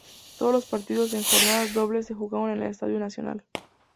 Todos los partidos, en jornadas dobles se jugaron en el Estadio Nacional.